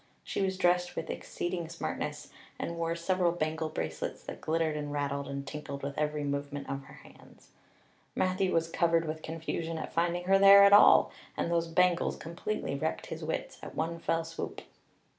She was dressed with exceeding smartness and wore several bangle bracelets that glittered and rattled and tinkled with every movement of her hands. Matthew was covered with confusion at finding her there at all; and those bangles completely wrecked his wits at one fell swoop.